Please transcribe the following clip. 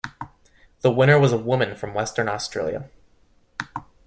The winner was a woman from Western Australia.